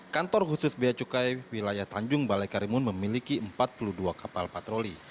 kantor khusus beacukai wilayah tanjung balai karimun memiliki empat puluh dua kapal patroli